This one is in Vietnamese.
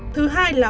thứ hai là